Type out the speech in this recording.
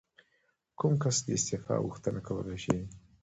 کوم کس د استعفا غوښتنه کولی شي؟